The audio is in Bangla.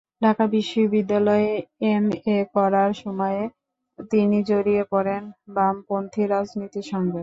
ঢাকা বিশ্ববিদ্যালয়ে এমএ করার সময়েই তিনি জড়িয়ে পড়েন বামপন্থী রাজনীতির সঙ্গে।